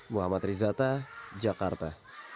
muhammad rizata jakarta